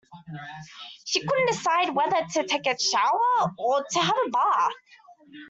She couldn't decide whether to take a shower or to have a bath.